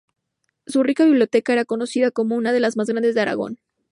Su rica biblioteca era conocida como una de las más grandes de Aragón.